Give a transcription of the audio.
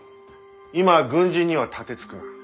今は軍人には盾つくな。